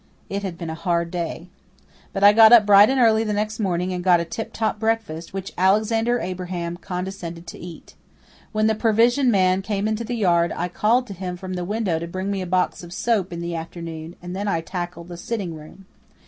It had been a hard day. But I got up bright and early the next morning and got a tiptop breakfast, which Alexander Abraham condescended to eat. When the provision man came into the yard I called to him from the window to bring me a box of soap in the afternoon, and then I tackled the sitting room.